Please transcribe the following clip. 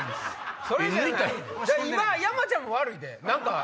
今山ちゃんも悪いで！